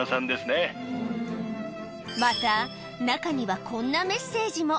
また、中にはこんなメッセージも。